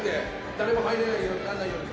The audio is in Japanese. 「誰も入れないようにならないように」